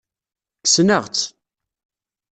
Kksen-aɣ-tt.